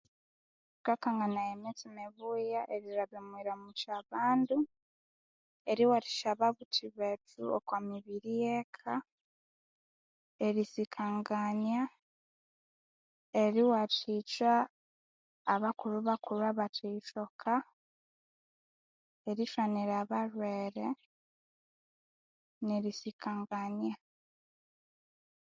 Kyikanganaya emyatsi mibuya erilhaba omwiramukya abandu, eriwathikya ababuthi bethu bokwa mibiri eyeka, erisikangania, eriwathikya abakulhubakulhu abathe yithoka, erithwanira abalhwere, nerisikangania.